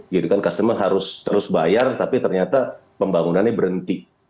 jadi kan customer harus terus bayar tapi ternyata pembangunannya berhenti